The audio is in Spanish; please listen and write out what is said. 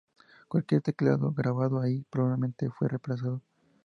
Cualquier teclado grabado ahí probablemente fue reemplazado.